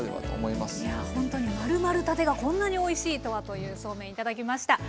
いやほんとに○○たてがこんなにおいしいとはというそうめん頂きました。